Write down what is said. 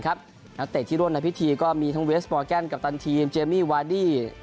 นักเตะที่ร่วมในพิธีก็มีทั้งเวสปอร์แกนกัปตันทีมเจมมี่วาดี้